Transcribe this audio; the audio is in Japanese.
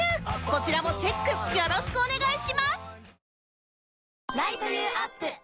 こちらもチェックよろしくお願いします